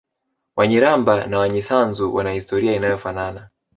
Wanyiramba na Wanyisanzu wana historia inayofanana